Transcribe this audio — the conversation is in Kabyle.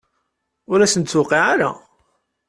Ur asen-d-tuqiɛ ara.